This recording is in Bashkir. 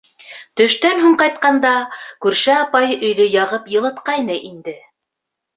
Төштән һуң ҡайтҡанда күрше апай өйҙө яғып йылытҡайны инде.